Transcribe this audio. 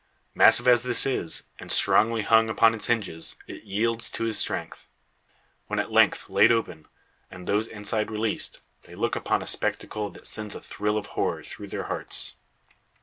Massive as this is, and strongly hung upon its hinges, it yields to his strength. When at length laid open, and those inside released, they look upon a spectacle that sends a thrill of horror through their hearts.